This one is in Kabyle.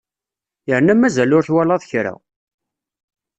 Yerna mazal ur twalaḍ kra!